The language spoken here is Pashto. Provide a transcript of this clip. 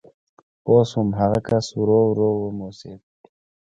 پوه شوم، هغه کس ورو ورو وموسېد.